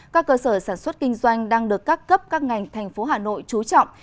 các cơ sở sản xuất kinh doanh đang được các cấp các ngành thành phố hà nội trú trọng